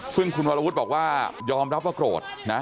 ซึ่งคุณวรวุฒิบอกว่ายอมรับว่าโกรธนะ